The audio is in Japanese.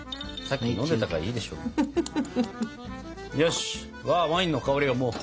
さっき飲んでたからいいでしょもう。